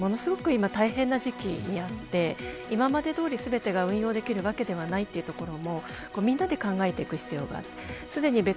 ただ、百貨店業界ってものすごく今大変な時期にあって今までどおり全てが運用できるわけではないというところもみんなで考えていく必要がある。